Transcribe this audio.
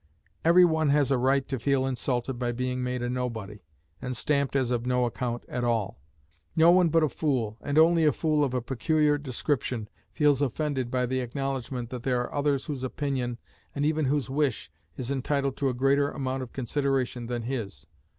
Every one has a right to feel insulted by being made a nobody, and stamped as of no account at all. No one but a fool, and only a fool of a peculiar description, feels offended by the acknowledgment that there are others whose opinion, and even whose wish, is entitled to a greater amount of consideration than his.